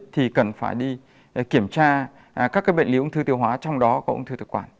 thì cần phải đi kiểm tra các bệnh lý ông thư tiêu hóa trong đó của ông thư thực quản